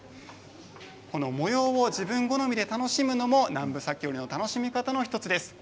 この模様を自分好みで楽しむのも南部裂織の楽しみ方の１つです。